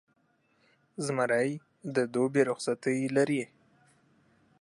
زمری د دوبي رخصتۍ لري.